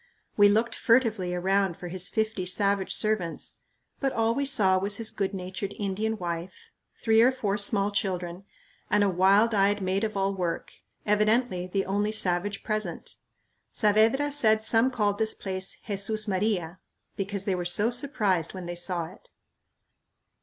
We looked furtively around for his fifty savage servants, but all we saw was his good natured Indian wife, three or four small children, and a wild eyed maid of all work, evidently the only savage present. Saavedra said some called this place "Jesús Maria" because they were so surprised when they saw it.